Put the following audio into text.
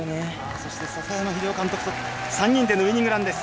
そして、笹山秀雄監督と３人でのウイニングランです。